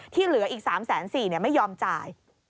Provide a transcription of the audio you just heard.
ที่เหลืออีก๓๔๐๐ไม่ยอมจ่าย